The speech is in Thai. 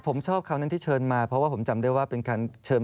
ผมชอบคราวนั้นที่เชิญมาเพราะว่าผมจำได้ว่าเป็นการเชิญ